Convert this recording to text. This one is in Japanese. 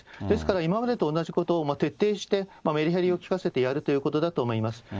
ですから今までと同じことを徹底して、メリハリをきかせてやるということだと思います。